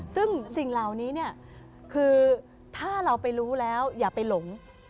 ซึ่งสิ่งเหล่านี้เนี่ยคือถ้าเราไปรู้แล้วอย่าไปหลง